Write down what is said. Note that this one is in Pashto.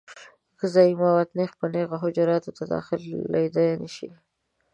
غذایي مواد نېغ په نېغه حجراتو ته داخلېدای نشي.